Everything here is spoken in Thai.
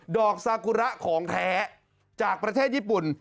อกซากุระของแท้จากประเทศญี่ปุ่น